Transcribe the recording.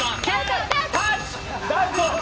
ダウト！